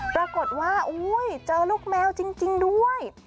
ปรากฏว่าเจอลูกแมวจริงด้วย